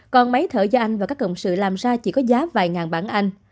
còn máy thở do anh và các cộng sự làm ra chỉ có giá vài ngàn bản anh